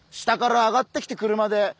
下から上がってきて車で。